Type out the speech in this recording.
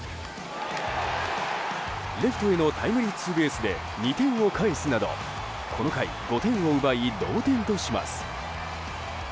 レフトへのタイムリーツーベースで２点を返すなどこの回５点を奪い同点とします。